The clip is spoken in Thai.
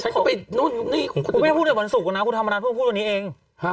กูไม่ได้พูดจากวันศุกร์นะคุณธามารถคุกพูดตรงนี้เอง